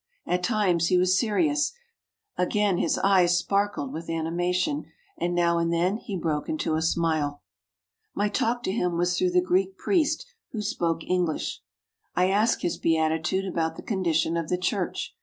At times he was serious, again his eyes sparkled with animation, and now and then he broke into a smile. My talk with him was through the Greek priest, who spoke English. I asked His Beatitude about the condition of the Church.